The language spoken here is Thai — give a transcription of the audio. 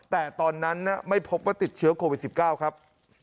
แต่ตอนนั้นไม่พบว่าติดเชื้อโควิด๑๙ครับ